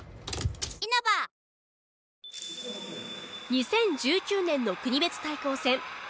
２０１９年の国別対抗戦。